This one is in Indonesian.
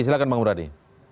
silahkan bang muradi